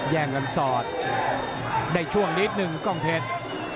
แย่งกันสอดได้ช่วงนิดนึงกล้องเพชร